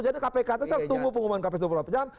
jadi kpk tetap tunggu pengumuman kpk dua puluh empat jam